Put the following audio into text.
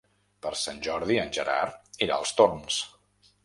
Per Sant Jordi en Gerard irà als Torms.